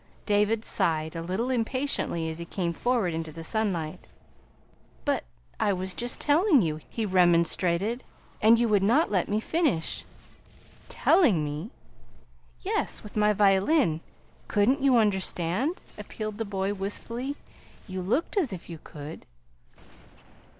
David sighed a little impatiently as he came forward into the sunlight. "But I was just telling you," he remonstrated, "and you would not let me finish." "Telling me!" "Yes, with my violin. COULDn't you understand?" appealed the boy wistfully. "You looked as if you could!"